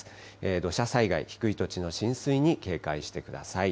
土砂災害、低い土地の浸水に警戒してください。